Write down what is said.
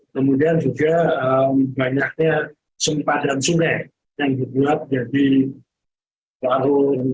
kemudian juga banyaknya sempadan sungai yang dibuat jadi baru